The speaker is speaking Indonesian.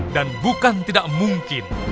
dan bukan tidak mungkin